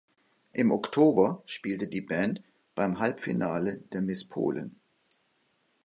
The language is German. Im Oktober spielte die Band beim Halbfinale der Miss Polen.